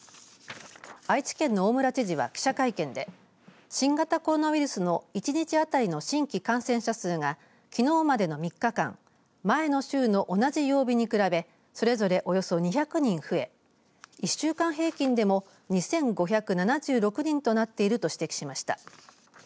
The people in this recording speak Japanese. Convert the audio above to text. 愛知県の大村知事は記者会見で新型コロナウイルスの一日当たりの新規感染者数がきのうまでの３日間、前の週の同じ曜日に比べそれぞれおよそ２００人増え１週間平均でも２５７６人となっていると指摘しました。